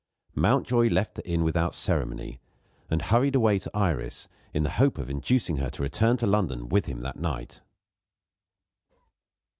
Mountjoy left the inn without ceremony, and hurried away to Iris in the hope of inducing her to return to London with him that night.